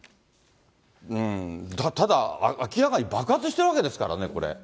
ただ、明らかに爆発してるわけですからね、これ。